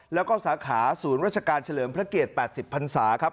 แล้วก็สาขาศูนย์ราชการเฉลิมพระเกียรติ๘๐พันศาครับ